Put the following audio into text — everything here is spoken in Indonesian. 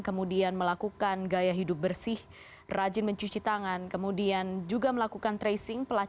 ada satu kasus yang meninggal pada usia tiga puluh lima